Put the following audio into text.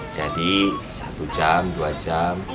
jadi satu jam dua jam